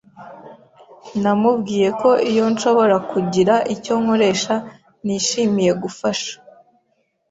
Namubwiye ko iyo nshobora kugira icyo nkoresha nishimiye gufasha.